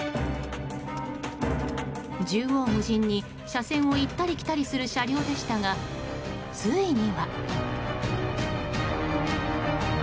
縦横無尽に車線を行ったり来たりする車両でしたが、ついには。